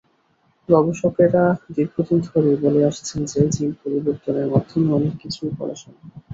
গবেষকেরা দীর্ঘদিন ধরেই বলে আসছেন যে, জিন পরিবর্তনের মাধ্যমে অনেক কিছুই করা সম্ভব।